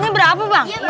beberapa poin kamu